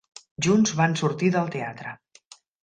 Junts van sortir del teatre.